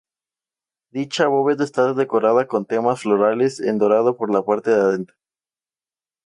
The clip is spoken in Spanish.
Dicha bóveda está decorada con temas florales en dorado por la parte de adentro.